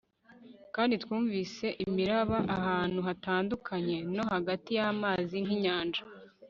kandi twumvise imiraba ahantu hatandukanye no hagati yamazi nkinyanja